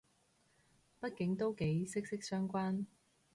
畢竟都幾息息相關